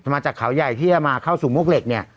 มาจากเขาใหญ่ที่จะมาเข้าสู่มวกเหล็กเนี่ย